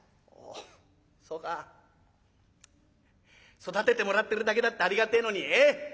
育ててもらってるだけだってありがてえのにええ？